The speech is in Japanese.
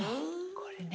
これね。